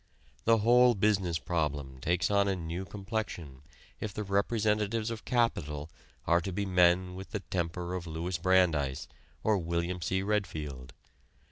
The whole business problem takes on a new complexion if the representatives of capital are to be men with the temper of Louis Brandeis or William C. Redfield.